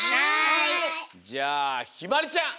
じゃあひまりちゃん！